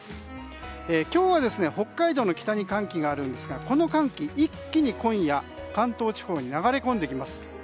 今日は北海道の北に寒気があるんですがこの寒気、一気に今夜関東地方に流れ込んできます。